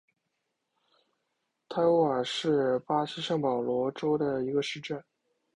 泰乌瓦是巴西圣保罗州的一个市镇。